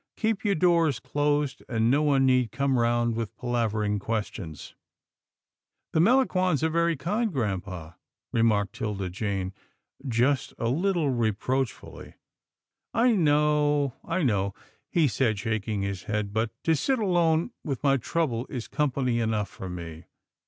Keep your doors closed, and no one need come round with palavering questions." " The Melangons are very kind, grampa," re marked 'Tilda Jane, just a little reproachfully. " I know, I know," he said shaking his head, " but to sit alone with my trouble is company enough for me."